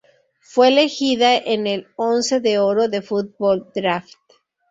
Fue elegida en el Once de oro de Fútbol Draft.